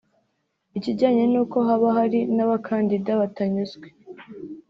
Ikijyanye n’uko haba hari n’abakandida batanyuzwe